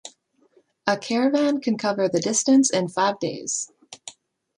A caravan can cover the distance in five days.